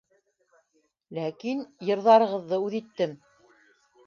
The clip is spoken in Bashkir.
Ләкин... йырҙарығыҙҙы үҙ иттем.